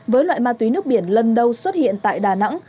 với loại ma túy nước biển lần đầu xuất hiện tại đà nẵng